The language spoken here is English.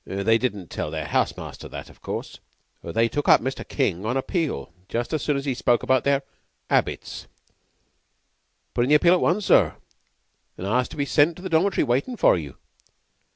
They didn't tell their house master that, of course?" "They took up Mr. King on appeal just as soon as he spoke about their 'abits. Put in the appeal at once, sir, an' asked to be sent to the dormitory waitin' for you.